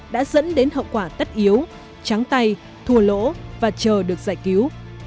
đã dẫn đến hậu quả tất yếu trắng tay thùa lỗ và chờ được giải cứu